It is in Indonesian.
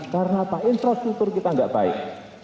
karena apa infrastruktur kita enggak baik